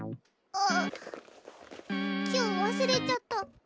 あっ今日忘れちゃった。